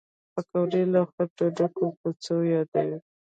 پکورې له خټو ډکو کوڅو یادوي